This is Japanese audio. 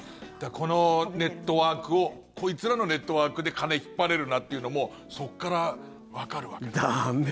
このネットワークをこいつらのネットワークで金引っ張れるなっていうのもそこからわかるわけだ。